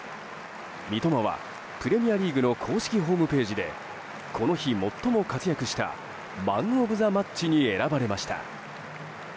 三笘は、プレミアリーグの公式ホームページでこの日、最も活躍したマン・オブ・ザ・マッチに選ばれました。